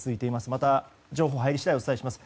また情報が入り次第お伝えします。